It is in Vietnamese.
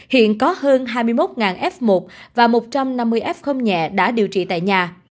hiện có hơn hai mươi một f một và một trăm năm mươi f nhẹ đã điều trị tại nhà